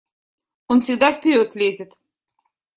Он всегда вперед лезет.